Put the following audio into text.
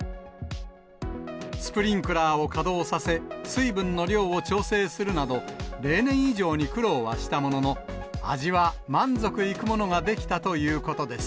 スプリンクラーを稼働させ、水分の量を調整するなど、例年以上に苦労はしたものの、味は満足いくものができたということです。